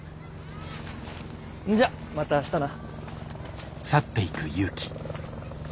んじゃまた明日な。